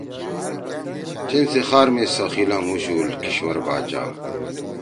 چین سی خار می سخی لھنگُوشُو کشور باچا